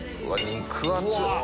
肉厚！